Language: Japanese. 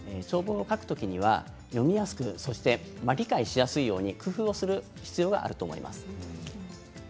長文を書くときには読みやすく理解しやすいように工夫をする必要があると思います。